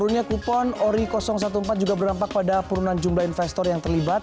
rendahnya penawaran dan seri ori empat belas juga berdampak pada perunan jumlah investor yang terlibat